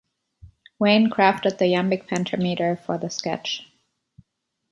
Wayne crafted the iambic pentameter for the sketch.